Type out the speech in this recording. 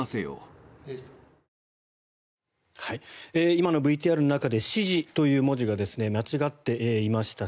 今のＶＴＲの中で指示という文字が間違っていました。